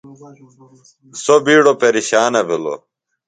سوۡ بِیڈوۡ پیرشانہ بِھلوۡ۔